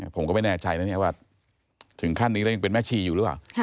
ผมก็ไม่แน่ใจนะว่าถึงขั้นนี้แล้วยังเป็นแม่ชีอยู่หรือเปล่า